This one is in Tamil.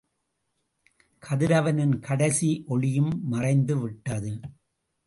கதிரவனின் கடைசி ஒளியும் மறைந்து விட்டது.